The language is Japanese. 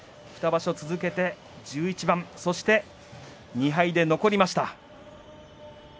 ２場所続けて１１番そして２敗で残りました。